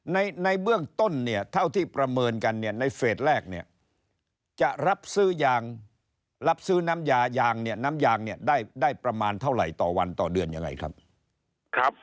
ในในเบื้องต้นเนี่ยเท่าที่ประเมินกันเนี่ยในเฟสแรกเนี่ยจะรับซื้อยางรับซื้อน้ำยายางเนี่ยน้ำยางเนี่ยได้ประมาณเท่าไหร่ต่อวันต่อเดือนยังไงครับ